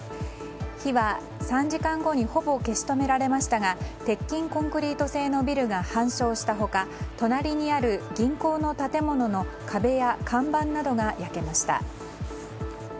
火は３時間後にほぼ消し止められましたが鉄筋コンクリート製のビルが半焼した他隣にある銀行の建物の壁や看板などが焼けました。